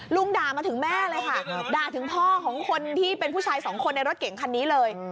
ด่ามาถึงแม่เลยค่ะด่าถึงพ่อของคนที่เป็นผู้ชายสองคนในรถเก่งคันนี้เลย